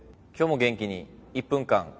今日も元気に「１分間！